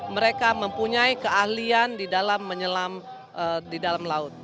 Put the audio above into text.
mereka mempunyai keahlian di dalam menyelam di dalam laut